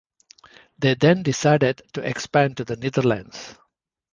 They then decided to expand to the Netherlands.